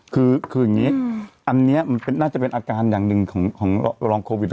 คืออย่างนี้อันนี้มันน่าจะเป็นอาการอย่างหนึ่งของรองโควิด